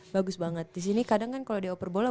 bagus banget di sini kadang kan kalau dioper bola